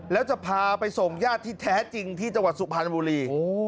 แล้วจะพาไปส่งญาติที่แท้จริงที่จังหวัดสุพรรณบุรี